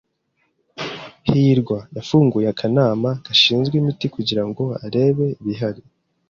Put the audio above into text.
hirwa yafunguye akanama gashinzwe imiti kugirango arebe ibihari.